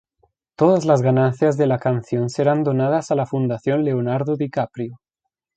Todas las ganancias de la canción serán donadas a la Fundación Leonardo DiCaprio.